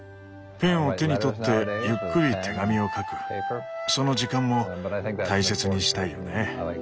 ペンを手に取ってゆっくり手紙を書くその時間も大切にしたいよね。